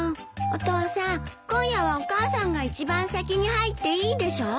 お父さん今夜はお母さんが一番先に入っていいでしょ？